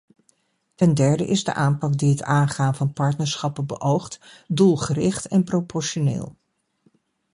Ten derde is de aanpak die het aangaan van partnerschappen beoogt, doelgericht en proportioneel.